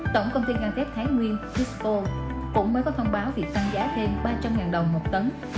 tổng công ty ngang thép thái nguyên tisco cũng mới có thông báo việc tăng giá thêm ba trăm linh đồng một tấn